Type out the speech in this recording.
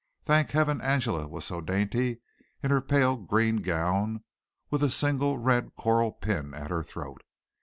Thank heaven Angela was so dainty in her pale green gown with a single red coral pin at her throat.